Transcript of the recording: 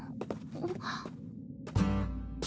あっ。